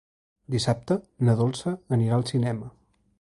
Dissabte na Dolça anirà al cinema.